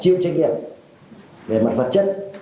chiêu trách nhiệm về mặt vật chất